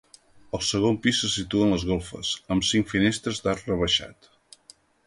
Al segon pis se situen les golfes, amb cinc finestres d'arc rebaixat.